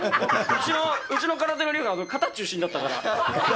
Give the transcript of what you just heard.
うちの空手の流派、形中心だったから。